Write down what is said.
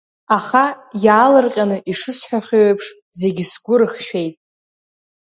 Аха, иаалырҟьаны ишысҳәахьоу еиԥш, зегь сгәы рыхшәеит.